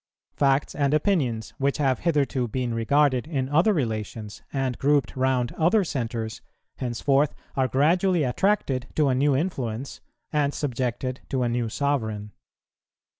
Facts and opinions, which have hitherto been regarded in other relations and grouped round other centres, henceforth are gradually attracted to a new influence and subjected to a new sovereign.